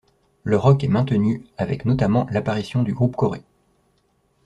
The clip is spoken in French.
Le rock est maintenu avec notamment l’apparition du groupe Kore.